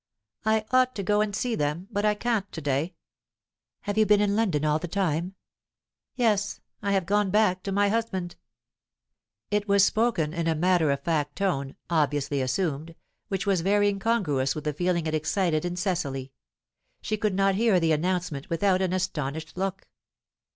"I ought to go and see them; but I can't to day." "Have you been in London all the time?" "Yes. I have gone back to my husband." It was spoken in a matter of fact tone (obviously assumed) which was very incongruous with the feeling it excited in Cecily. She could not hear the announcement without an astonished look.